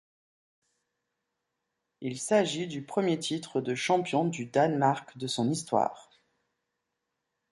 Il s'agit du premier titre de champion du Danemark de son histoire.